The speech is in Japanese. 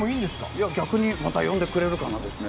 いや、逆にまた呼んでくれるかな？ですね。